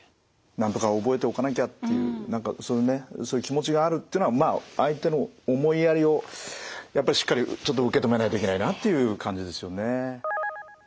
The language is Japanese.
なんとか覚えておかなきゃっていうそういう気持ちがあるっていうのはまあ相手の思いやりをやっぱりしっかりちょっと受け止めないといけないなという感じですよね。